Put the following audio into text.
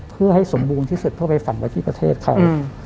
เพื่อให้สมบูรณ์ที่สุดเพื่อไปฝังพระเทศเค้า